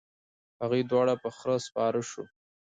هغوی دواړه په خره سپاره شول.